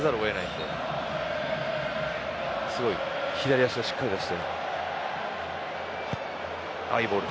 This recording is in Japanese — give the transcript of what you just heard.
すごい左足をしっかり出して。